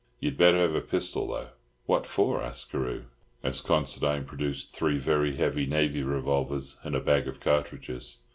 You'd better have a pistol, though." "What for?" asked Carew, as Considine produced three very heavy navy revolvers and a bag of cartridges.